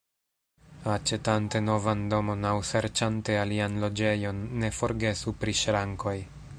Aĉetante novan domon aŭ serĉante alian loĝejon, ne forgesu pri ŝrankoj.